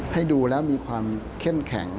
ให้ดูแล้วมีความเข้มแข็ง